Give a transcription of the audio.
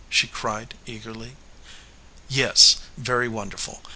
she cried, eagerly. "Yes, very wonderful.